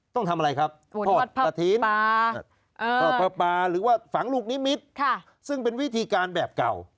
ต้องทำอะไรครับ